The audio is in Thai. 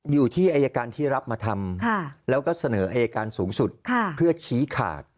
อยู่ที่อายการที่รับมาทำแล้วก็เสนออายการสูงสุดเพื่อชี้ขาด